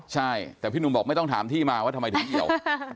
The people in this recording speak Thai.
ใช่แต่พี่หนุ่มบอกไม่ต้องถามที่มาว่าทำไมถึงเกี่ยว